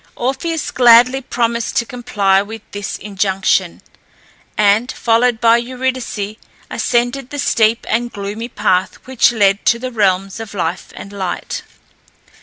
Orpheus gladly promised to comply with this injunction, and, followed by Eurydice, ascended the steep and gloomy path which led to the realms of life and light.